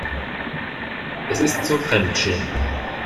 Es ist zum Fremdschämen.